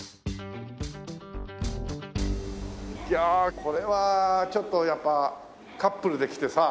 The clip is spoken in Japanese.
いやこれはちょっとやっぱカップルで来てさ。